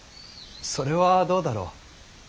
それはどうだろう。